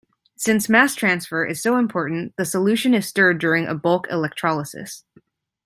Since mass transfer is so important the solution is stirred during a bulk electrolysis.